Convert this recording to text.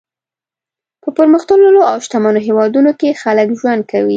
په پرمختللو او شتمنو هېوادونو کې خلک ژوند کوي.